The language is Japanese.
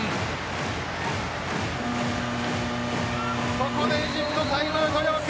ここでエジプトタイムアウト要求。